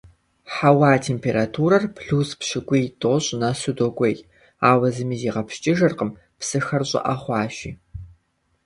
Хьэуа температурэр плюс пщӏыкӏуй–тӏощӏ нэсу докӀуей, ауэ зыми зигъэпскӀыжыркъым, псыхэр щӀыӀэ хъуащи.